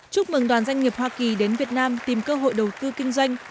chúc mừng đoàn doanh nghiệp hoa kỳ đến việt nam tìm cơ hội đầu tư kinh doanh